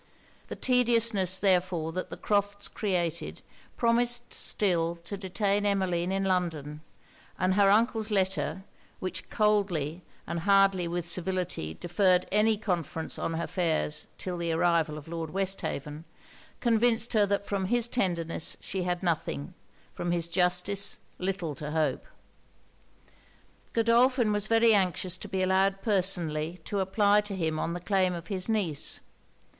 The tediousness therefore that the Crofts' created promised still to detain Emmeline in London; and her uncle's letter, which coldly and hardly with civility deferred any conference on her affairs till the arrival of Lord Westhaven, convinced her that from his tenderness she had nothing, from his justice, little to hope. Godolphin was very anxious to be allowed personally to apply to him on the claim of his niece.